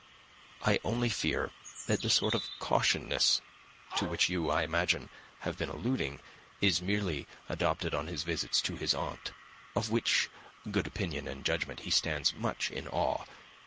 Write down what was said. I only fear that the sort of cautiousness to which you, I imagine, have been alluding, is merely adopted on his visits to his aunt, of whose good opinion and judgment he stands much in awe.